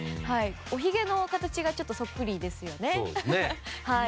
おひげの形がそっくりですよね。